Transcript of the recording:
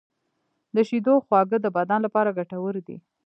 د شیدو خواږه د بدن لپاره ګټور دي.